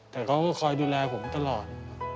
แต่เขาก็คอยดูแลผมตลอด